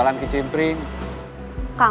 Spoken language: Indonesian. kangen sama biaya